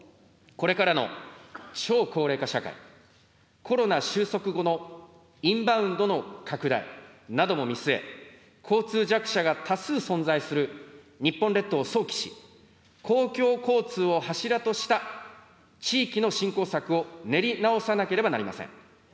これからの超高齢化社会、コロナ収束後のインバウンドの拡大なども見据え、交通弱者が多数存在する日本列島を想起し、公共交通を柱とした地域の振興策を練り直さなければなりません。